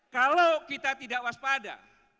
kalau kita tidak waspada